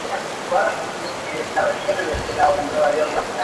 Se da en pequeñas pendientes, pero en gran cantidad.